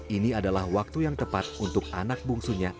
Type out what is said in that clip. ini adalah waktu yang tepat untuk anak bungsunya